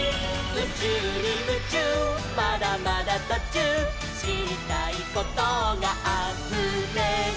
「うちゅうにムチューまだまだとちゅう」「しりたいことがあふれる」